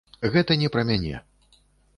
Гэта не пра мяне.